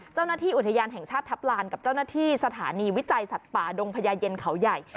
เจ้าหน้าที่อุทยานแห่งชาติทัพลานกับเจ้าหน้าที่สถานีวิจัยสัตว์ป่าดงพญาเย็นเขาใหญ่